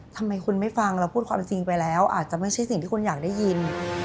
ทำไมคุณไม่ฟังเราพูดความจริงไปแล้วอาจจะไม่ใช่สิ่งที่คุณอยากได้ยิน